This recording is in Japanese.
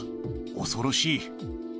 恐ろしい。